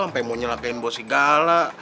sampai mau nyelam nyelamin bos si gala